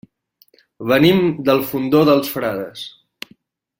Venim del Fondó dels Frares.